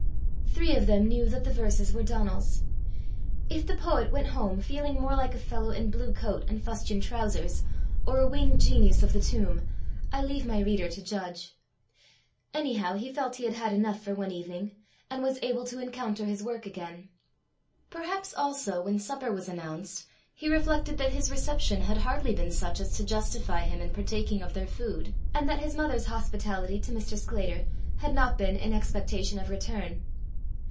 Three of them knew that the verses were Donal's. If the poet went home feeling more like a fellow in blue coat and fustian trowsers, or a winged genius of the tomb, I leave my reader to judge. Anyhow, he felt he had had enough for one evening, and was able to encounter his work again. Perhaps also, when supper was announced, he reflected that his reception had hardly been such as to justify him in partaking of their food, and that his mother's hospitality to Mr. Sclater had not been in expectation of return.